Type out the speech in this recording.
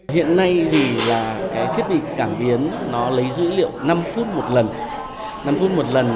hiện nay thì là cái thiết bị cảm biến nó lấy dữ liệu năm phút một lần